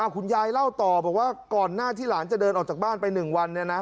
คุณยายเล่าต่อบอกว่าก่อนหน้าที่หลานจะเดินออกจากบ้านไป๑วัน